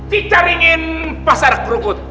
dicariin pasar kerukut